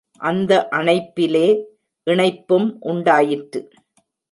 அந்த அணைப்பிலே இணைப்பும் உண்டாயிற்று.